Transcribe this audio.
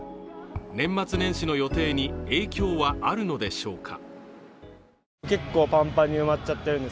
年末年始の予定に影響はあるのでしょうか。